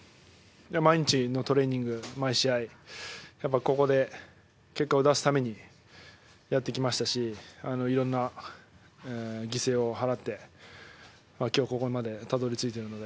毎日のトレーニング毎試合、ここで結果を出すためにやってきましたしいろんな犠牲を払って今日ここまでたどり着いたので。